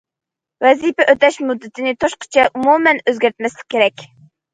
ۋەزىپە ئۆتەش مۇددىتى توشقۇچە، ئومۇمەن ئۆزگەرتمەسلىك كېرەك.